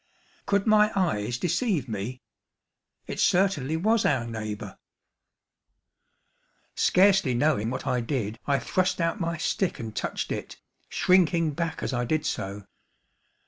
Could my eyes deceive me? It certainly was our neighbor. Scarcely knowing what I did, I thrust out my stick and touched it, shrinking back as I did so.